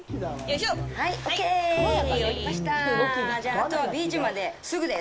あとはビーチまで、すぐです。